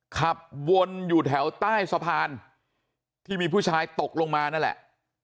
ขับวนอยู่แถวใต้สะพานที่มีผู้ชายตกลงมานั่นแหละ